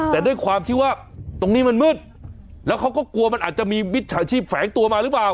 แต่ด้วยความที่ว่าตรงนี้มันมืดแล้วเขาก็กลัวมันอาจจะมีมิจฉาชีพแฝงตัวมาหรือเปล่า